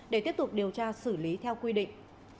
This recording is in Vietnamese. để tiếp tục điều tra xử lý theo quy định